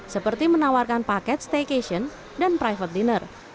seperti menawarkan paket staycation dan private dinner